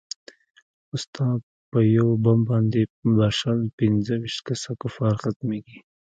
خو ستا په يو بم باندې به شل پينځه ويشت کسه کفار ختميګي.